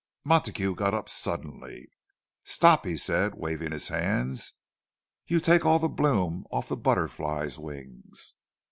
Montague got up suddenly. "Stop," he said, waving his hands. "You take all the bloom off the butterfly's wings!"